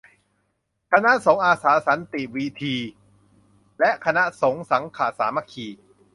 คณะสงฆ์อาสาสันติวืธี และ คณะสงฆ์สังฆะสามัคคี